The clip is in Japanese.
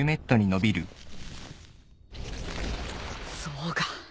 そうか。